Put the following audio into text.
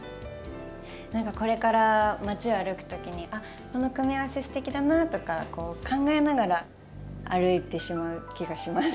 何かこれから街を歩く時に「あっこの組み合わせすてきだな」とか考えながら歩いてしまう気がします。